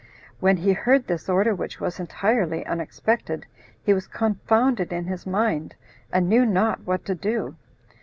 When he heard this order, which was entirely unexpected, he was confounded in his mind, and knew not what to do.